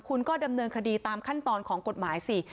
คุณก็ดำเนินคดีตามขั้นตอนของกฎหมายสิ